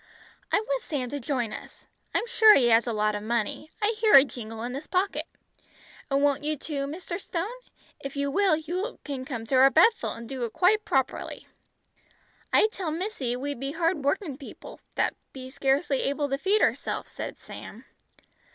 "I want Sam to join us. I'm sure he has a lot of money. I hear it jingle in his pocket. And won't you too, Mr. Stone? If you will, you can come to our 'Bethel' and do it quite properly." "I tell missy we be hard workin' people, that be scarcely able to feed ourselves," said Sam.